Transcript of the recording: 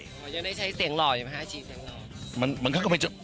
เขายังได้ใช้เสียงหล่ออยู่ไหมฮะอาชีพเสียงหล่อ